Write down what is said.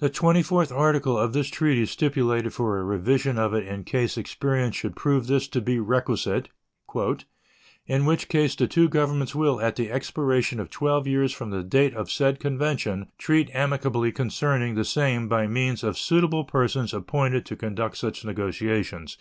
The twenty fourth article of this treaty stipulated for a revision of it in case experience should prove this to be requisite, "in which case the two Governments will, at the expiration of twelve years from the date of said convention, treat amicably concerning the same by means of suitable persons appointed to conduct such negotiations."